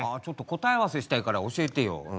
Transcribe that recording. ちょっと答え合わせしたいから教えてよ。